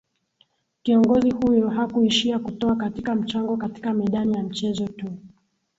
Kiongozi huyo hakuishia kutoa katika mchango katika medani ya mchezo tu